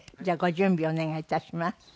じゃあご準備お願い致します。